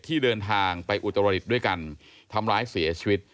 ที่เดินทางไปอุตรดิษฐ์ด้วยกันทำร้ายเสียชีวิต